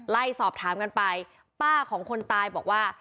ไล่สอบถามกันไปป้าของคนตายบอกว่า